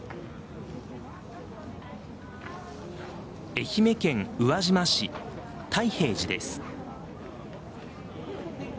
愛媛県宇和島市泰平寺です。